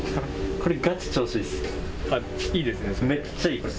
これガチ調子いいっす。